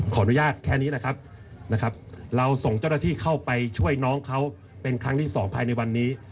ขออนุญาตแค่นี้นะครับเราส่งเจ้าหน้าที่เข้าไปช่วยน้องเขาเป็นครั้งที่สองภายในวันนี้